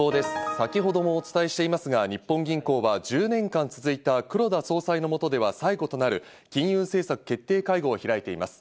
先ほどもお伝えしていますが日本銀行は１０年間続いた黒田総裁の下では最後となる金融政策決定会合を開いています。